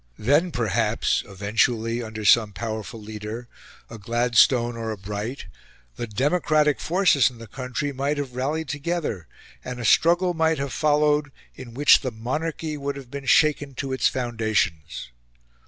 Then perhaps, eventually, under some powerful leader a Gladstone or a Bright the democratic forces in the country might have rallied together, and a struggle might have followed in which the Monarchy would have been shaken to its foundations.